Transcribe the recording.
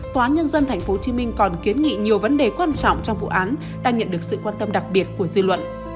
tòa án nhân dân tp hcm còn kiến nghị nhiều vấn đề quan trọng trong vụ án đang nhận được sự quan tâm đặc biệt của dư luận